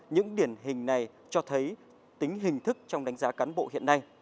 những điển hình này cho thấy tính hình thức trong đánh giá cán bộ hiện nay